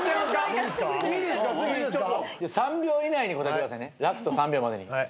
３秒以内に答えてくださいねラスト３秒までに。